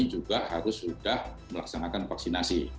juga harus sudah melaksanakan vaksinasi